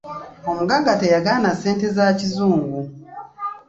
Omugagga teyagaana ssente za kizungu.